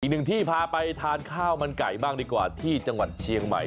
อีกหนึ่งที่พาไปทานข้าวมันไก่บ้างดีกว่าที่จังหวัดเชียงใหม่